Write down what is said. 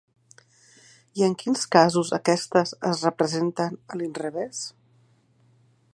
I en quins casos aquestes es representen a l'inrevés?